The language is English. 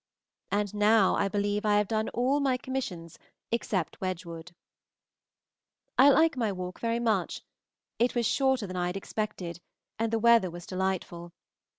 And now I believe I have done all my commissions except Wedgwood. I liked my walk very much; it was shorter than I had expected, and the weather was delightful.